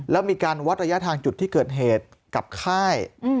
แล้วมีการวัดระยะทางจุดที่เกิดเหตุกับค่าย